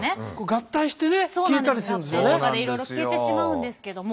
合併とかでいろいろ消えてしまうんですけども。